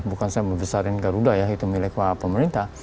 bukan saya membesarkan garuda ya itu milik pemerintah